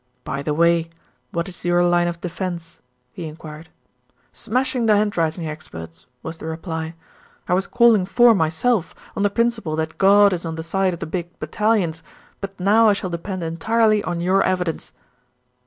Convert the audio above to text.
By the way, what is your line of defence?" he enquired. "Smashing the handwriting experts," was the reply. "I was calling four myself, on the principle that God is on the side of the big battalions; but now I shall depend entirely on your evidence."